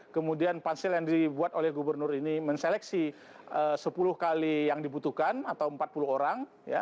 kemudian pansel yang dibuat oleh gubernur ini menseleksi sepuluh kali yang dibutuhkan atau empat puluh orang